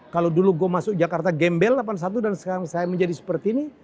kalau dulu gue masuk jakarta gembel delapan puluh satu dan sekarang saya menjadi seperti ini